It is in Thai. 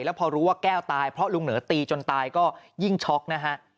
แล้วพอรู้ว่าแก้วตายเพราะลุงเหนอตีจนตายก็ยิ่งช็อกนะฮะ